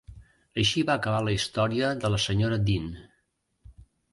Així va acabar la història de la sra. Dean.